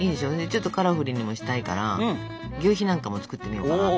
ちょっとカラフルにもしたいからぎゅうひなんかも作ってみようかなと。